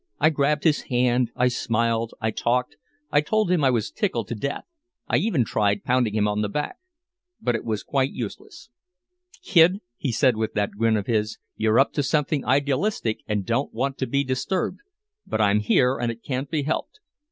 I grabbed his hand, I smiled, I talked, I told him I was tickled to death, I even tried pounding him on the back. But it was quite useless. "Kid," he said with that grin of his, "you're up to something idealistic and don't want to be disturbed. But I'm here and it can't be helped.